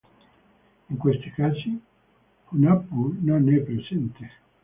In questi casi, Hunahpu non è presente.